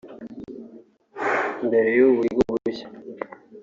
Mbere y’ubu buryo bushya